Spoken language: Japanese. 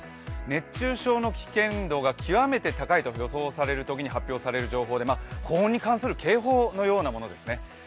熱中症の危険度が極めて高いと予想されるときに発表される情報で、高温に関する警報のようなものです。